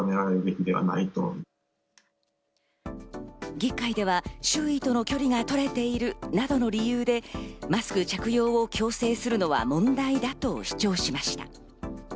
議会では周囲との距離が取れているなどの理由でマスク着用を強制するのは問題だと主張しました。